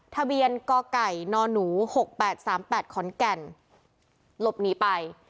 ทะเบียนกไก่นหนู๖๘๓๘ขอนแก่นหลบหนีไป